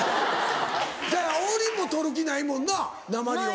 だから王林も取る気ないもんななまりを。